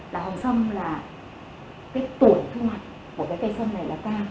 là hồng xăm là cái tuổi thu hoạch của cái cây xăm này là cao